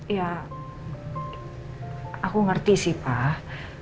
ya aku ngerti sih pak